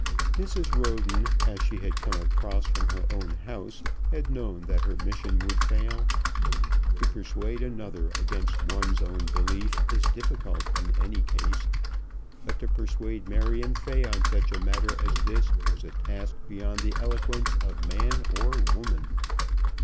Mrs. Roden, as she had come across from her own house, had known that her mission would fail. To persuade another against one's own belief is difficult in any case, but to persuade Marion Fay on such a matter as this was a task beyond the eloquence of man or woman.